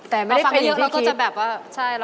แต่ไม่ได้เคยเห็นที่คิดมันฟังไม่ยอมเราก็จะแบบว่าใช่